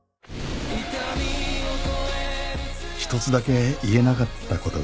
一つだけ言えなかった事がある。